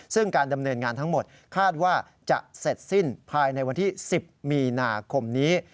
ซึ่งการดำเนินงานทั้งหมดคาดว่าจะเสร็จสิ้นภายในวันที่๑๐มีนาคมนี้